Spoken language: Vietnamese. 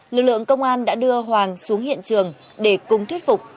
lực lượng công an đã đưa hoàng xuống hiện trường để cùng thuyết phục